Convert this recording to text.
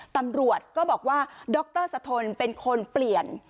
ตำรวจก็บอกว่าดรสะทนเป็นคนเปลี่ยน